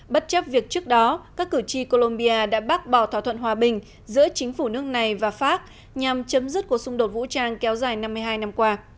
bất chấp việc trước đó các cử tri colombia đã bác bỏ thỏa thuận hòa bình giữa chính phủ nước này và pháp nhằm chấm dứt cuộc xung đột vũ trang kéo dài năm mươi hai năm qua